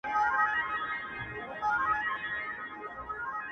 o اوس يې په دې لاس كي دنيا وينمه خونــد راكـــوي،